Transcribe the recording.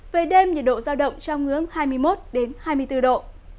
về đêm nhiệt độ giao động trong ngưỡng hai mươi một hai mươi bốn độ